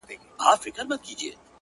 ته به په فکر وې ـ چي څنگه خرابيږي ژوند ـ